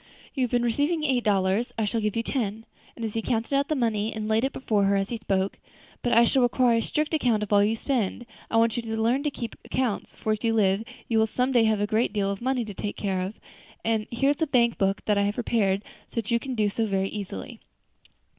You have been receiving eight dollars I shall give you ten," and he counted out the money and laid it before her as he spoke; "but I shall require a strict account of all that you spend. I want you to learn to keep accounts, for if you live, you will some day have a great deal of money to take care of; and here is a blank book that I have prepared, so that you can do so very easily.